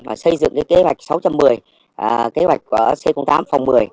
và xây dựng kế hoạch sáu trăm một mươi kế hoạch của c tám phòng một mươi